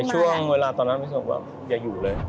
ในช่วงเวลาตอนนั้นมันคิดว่าอย่าอยู่เลย